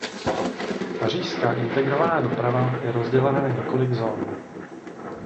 Pařížská integrovaná doprava je rozdělena na několik zón.